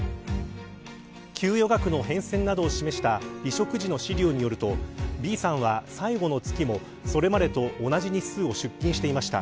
給与額の変遷などを示した離職時の資料によるとＢさんは最後の月もそれまでと同じ日数出勤していました。